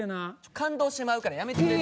感動してまうからやめてくれ。